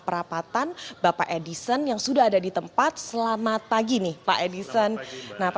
perapatan bapak edison yang sudah ada di tempat selamat pagi nih pak edison nah pak